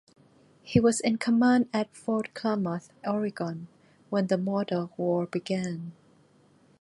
He was in command at Fort Klamath, Oregon when the Modoc War began.